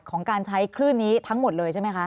ของการใช้คลื่นนี้ทั้งหมดเลยใช่ไหมคะ